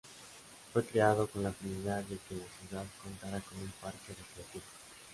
Fue creado con la finalidad de que la ciudad contara con un parque recreativo.